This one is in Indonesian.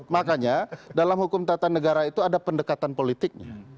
makanya dalam hukum tata negara itu ada pendekatan politiknya